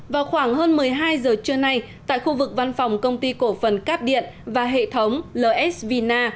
vào khoảng hơn một mươi hai giờ trưa nay tại khu vực văn phòng công ty cổ phần cáp điện và hệ thống ls vina